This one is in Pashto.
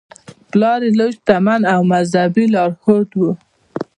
پلار یې لوی شتمن او مذهبي لارښود و.